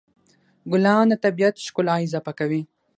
ګلان د طبیعت ښکلا اضافه کوي.